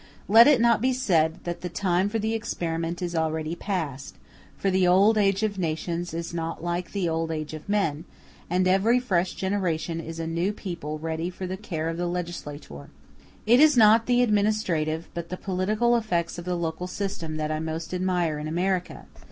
Let it not be said that the time for the experiment is already past; for the old age of nations is not like the old age of men, and every fresh generation is a new people ready for the care of the legislator. It is not the administrative but the political effects of the local system that I most admire in America.